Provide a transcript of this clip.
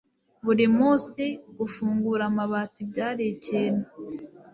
burimunsi gufungura amabati byari ikintu